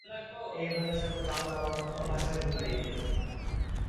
এ ভাষার সাথে বাংলা বা অন্য কোন ভাষার কোন মিল নেই।